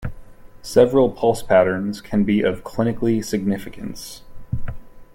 Several pulse patterns can be of clinically significance.